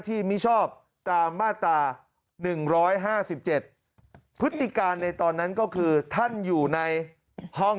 มิชอบตามมาตรา๑๕๗พฤติการในตอนนั้นก็คือท่านอยู่ในห้อง